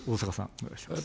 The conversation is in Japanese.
お願いします。